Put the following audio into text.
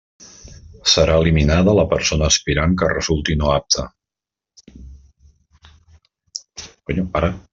Serà eliminada la persona aspirant que resulti no apta.